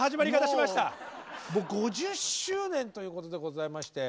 ５０周年ということでございまして。